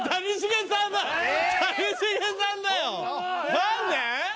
何で？